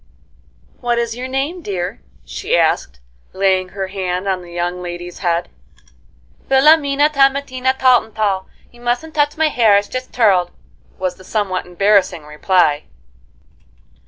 "What is your name, dear?" she asked, laying her hand on the young lady's head. "Villamena Temmatina Taltentall. You mustn't touch my hair; it's just turled," was the somewhat embarrassing reply.